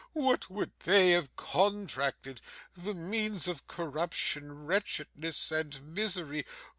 What would they have contracted? The means of corruption, wretchedness, and misery.